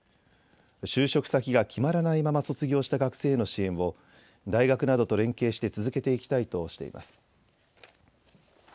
就職先が決まらないまま卒業した学生への支援を大学などと連携して続けていきたいとしています。